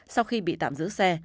sau khi bị tạm giữ xe